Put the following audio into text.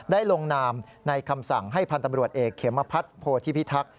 ลงนามในคำสั่งให้พันธ์ตำรวจเอกเขมพัฒน์โพธิพิทักษ์